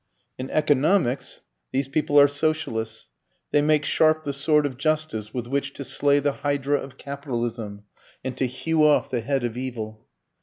In economics these people are Socialists. They make sharp the sword of justice with which to slay the hydra of capitalism and to hew off the head of evil.